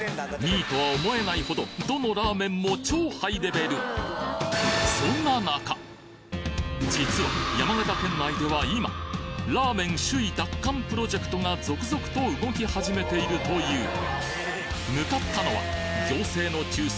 ２位とは思えないほどどのラーメンも実は山形県内では今ラーメン首位奪還プロジェクトが続々と動き始めているという向かったのは行政の中枢